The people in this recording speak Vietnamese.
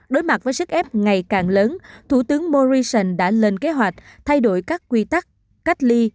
đối mặt với sức ép ngày càng lớn thủ tướng morrison đã lên kế hoạch thay đổi các quy tắc cách ly